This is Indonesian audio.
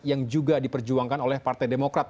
yang juga diperjuangkan oleh partai demokrat